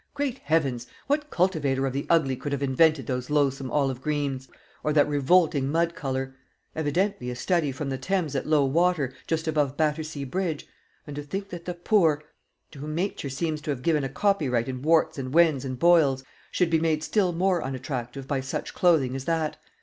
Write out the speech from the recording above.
Great Heavens! what cultivator of the Ugly could have invented those loathsome olive greens, or that revolting mud colour? evidently a study from the Thames at low water, just above Battersea bridge. And to think that the poor to whom nature seems to have given a copyright in warts and wens and boils should be made still more unattractive by such clothing as that!